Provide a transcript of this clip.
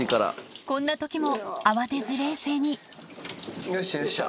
こんな時も慌てず冷静によいしょよいしょ。